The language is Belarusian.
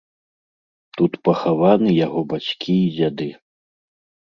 Тут пахаваны яго бацькі і дзяды.